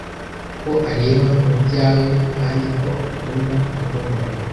ko areba mu byawe kandi ko akunda kuhabona